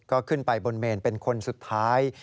ก็ขึ้นไปบนเมนเป็นคนสุดท้าย